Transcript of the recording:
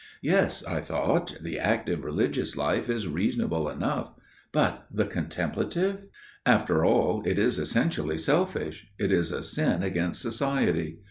Yes, I thought, the active Religious Life is reasonable enough; but the Contemplative––––! After all it is essentially selfish, it is a sin against society.